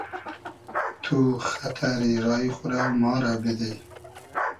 تو خئتئری رای خو رۂ ما رۂ بیدی